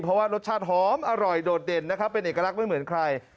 เพราะว่ารสชาติหอมอร่อยโดดเด่นนะครับเป็นเอกลักษณ์ไม่เหมือนใคร